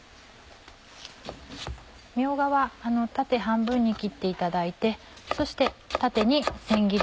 みょうがは縦半分に切っていただいてそして縦に薄切り。